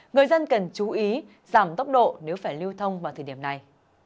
người dân cần chú ý giảm tốc độ nếu phải lưu thông vào thời điểm này